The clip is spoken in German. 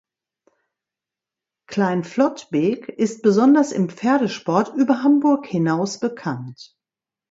Klein Flottbek ist besonders im Pferdesport über Hamburg hinaus bekannt.